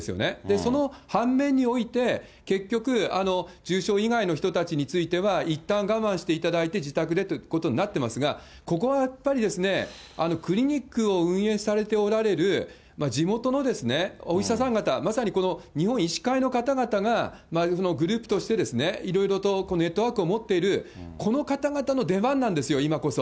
その反面において、結局、重症以外の人たちについては、いったん我慢していただいて、自宅でということになってますが、ここはやっぱりですね、クリニックを運営されておられる地元のお医者さん方、まさに、この日本医師会の方々が、グループとして、いろいろとネットワークを持っている、この方々の出番なんですよ、今こそ。